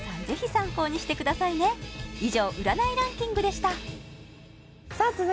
ぜひ参考にしてくださいね以上占いランキングでしたさあ